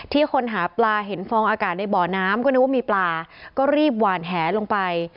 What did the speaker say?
คนหาปลาเห็นฟองอากาศในบ่อน้ำก็นึกว่ามีปลาก็รีบหวานแหลงไป